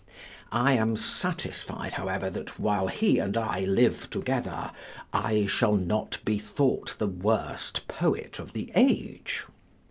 I am satisfied, however, that while he and I live together, I shall not be thought the worst poet of the age.